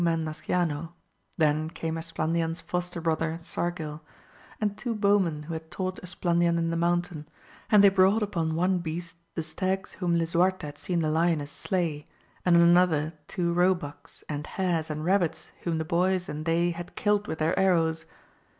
261 man Nasciano ; then came Esplandian*s foster brother Sargil, and two bowmen who had taught Esplandian in the mountam, and they brought upon one beast the stags whom Lisuarte had seen the lioness slay, and on another two roe bucks, and hares, and rabbits whom the boys and they had killed with their arrows.